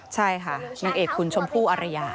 ใช่ค่ะนางเอกคุณชมพู่อารยา